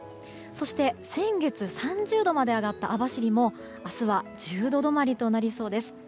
そして、先月３０度まで上がった網走も明日は１０度止まりとなりそうです。